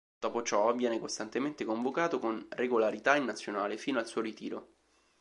Dopo ciò, viene costantemente convocato con regolarità in Nazionale fino al suo ritiro.